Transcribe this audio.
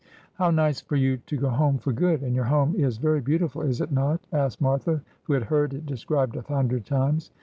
' How nice for you to go home for good ! And your home is very beautiful, is it not ?' asked Martha, who had heard it de scribed a hundred times.